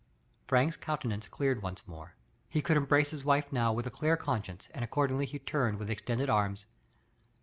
Frank's countenance cleared once more; he could embrace his wife now with ^ clear con science, 2^nd accordingly he turned with extended arms.